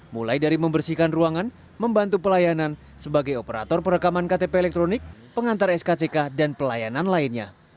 mulai dari membersihkan ruangan membantu pelayanan sebagai operator perekaman ktp elektronik pengantar skck dan pelayanan lainnya